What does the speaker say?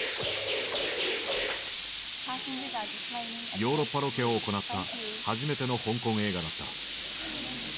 ヨーロッパロケを行った初めての香港映画だった。